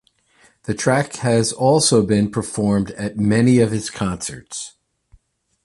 The track has also been performed at many of his concerts.